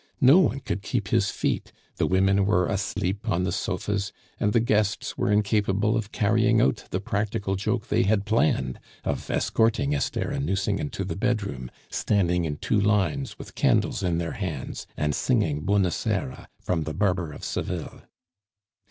No one could keep his feet, the women were asleep on the sofas, and the guests were incapable of carrying out the practical joke they had planned of escorting Esther and Nucingen to the bedroom, standing in two lines with candles in their hands, and singing Buona sera from the Barber of Seville.